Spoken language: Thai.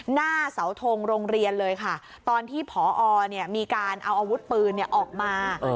หน้าเสาทงโรงเรียนเลยค่ะตอนที่ผอมีการเอาอาวุธปืนออกมา